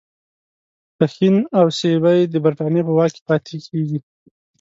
پښین او سیبی د برټانیې په واک کې پاتیږي.